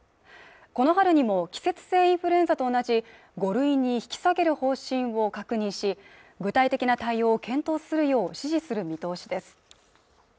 この春にも季節性インフルエンザと同じ５類に引き下げる方針を確認し具体的な対応を検討するよう指示する見通しです